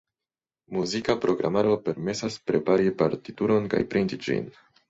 Muzika programaro permesas prepari partituron kaj printi ĝin.